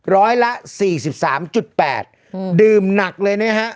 ร้อยละ๔๓๘ดื่มหนักเลยนะฮะ